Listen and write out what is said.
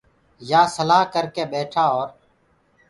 يآ سلآ ڪرَ ڪي ٻيٺآ اورَ